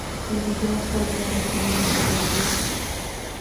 El vídeo fue bien recibido por la crítica.